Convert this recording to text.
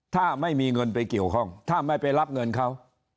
ถ้าไม่มีเงินไปเกี่ยวข้องถ้าไม่ไปรับเงินเขา